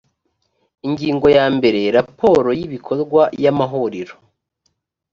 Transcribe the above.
ingingo ya mbere raporo y’ibikorwa y’amahuriro